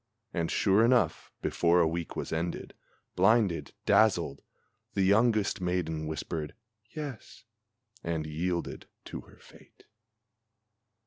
And, sure enough, before a week was ended, blinded, dazzled, The youngest maiden whispered "yes," and yielded to her fate.